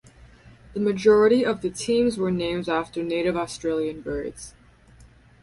The majority of the teams were named after native Australian birds.